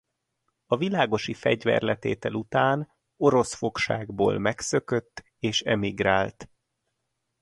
A világosi fegyverletétel után orosz fogságból megszökött és emigrált.